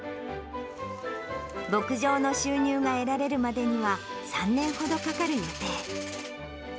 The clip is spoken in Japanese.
牧場の収入が得られるまでには、３年ほどかかる予定。